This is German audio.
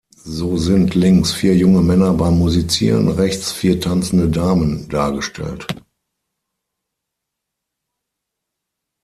So sind links vier junge Männer beim musizieren, rechts vier tanzende Damen dargestellt.